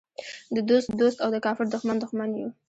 د دوست دوست او د کافر دښمن دښمن یو.